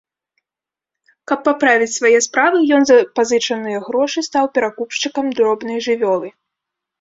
Каб паправіць свае справы, ён за пазычаныя грошы стаў перакупшчыкам дробнай жывёлы.